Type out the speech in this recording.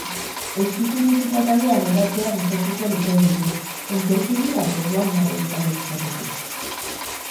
Exkixu musika-taldea bueltatzea gustatuko litzaiguke, kontzertu-bira gogoangarria izango litzateke.